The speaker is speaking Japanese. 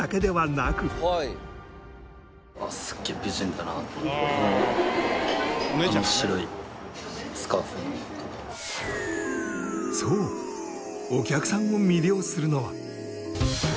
だが中華東東そうお客さんを魅了するのは。